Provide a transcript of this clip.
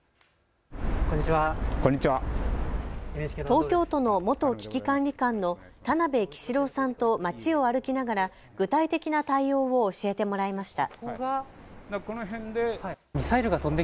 東京都の元危機管理監の田邉揮司良さんと街を歩きながら具体的な対応を教えてもらいました。